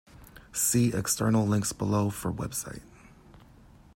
See external links below for website.